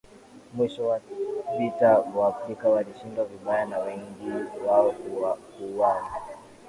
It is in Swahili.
Mwisho wa vita Waafrika walishindwa vibaya na wengi wao kuuawa